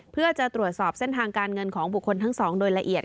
เพื่อจะตรวจสอบเส้นทางการเงินของบุคคลทั้งสองโดยละเอียด